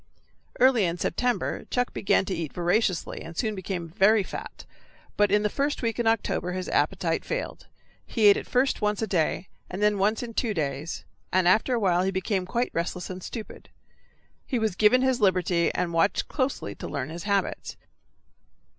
Early in September Chuck began to eat voraciously and soon became very fat, but in the first week in October his appetite failed; he ate at first once a day, then once in two days, and after awhile he became quite restless and stupid. He was given his liberty, and watched closely to learn his habits.